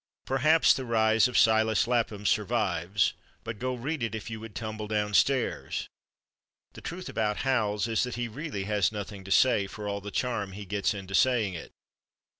Perhaps "The Rise of Silas Lapham" survives—but go read it if you would tumble downstairs. The truth about Howells is that he really has nothing to say, for all the charm he gets into saying it.